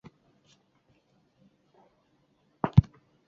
瓦雷姆区为比利时列日省辖下的一个区。